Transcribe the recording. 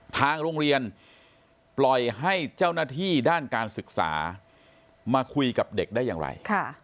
ทางโรงเรียนปล่อยให้เจ้าหน้าที่ด้านการศึกษามาคุยกับเด็กได้อย่างไร